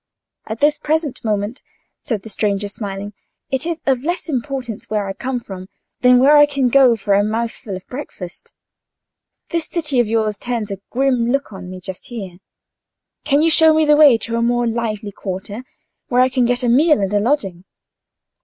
"At this present moment," said the stranger, smiling, "it is of less importance where I come from than where I can go to for a mouthful of breakfast. This city of yours turns a grim look on me just here: can you show me the way to a more lively quarter, where I can get a meal and a lodging?"